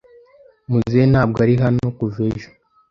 muzehe ntabwo ari hano kuva ejos